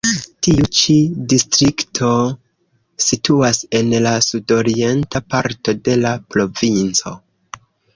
Tiu ĉi distrikto situas en la sudorienta parto de la provinco.